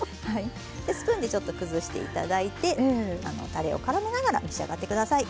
スプーンでちょっと崩して頂いてたれをからめながら召し上がって下さい。